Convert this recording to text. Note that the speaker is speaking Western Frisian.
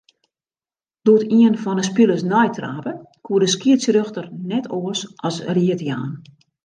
Doe't ien fan 'e spilers neitrape, koe de skiedsrjochter net oars as read jaan.